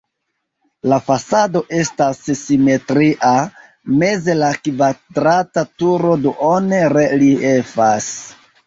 La fasado estas simetria, meze la kvadrata turo duone reliefas.